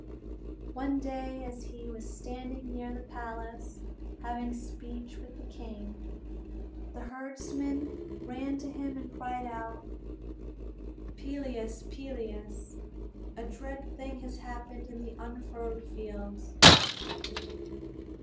One day as he was standing near the palace having speech with the king, a herdsman ran to him and cried out: "Peleus, Peleus, a dread thing has happened in the unfurrowed fields."